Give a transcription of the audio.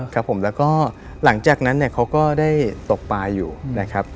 ครับผมแล้วก็หลังจากนั้นเนี่ยเขาก็ได้ตกปลาอยู่นะครับ